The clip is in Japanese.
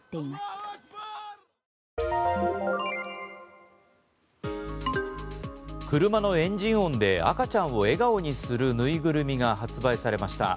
ギター車のエンジン音で赤ちゃんを笑顔にするぬいぐるみが発売されました。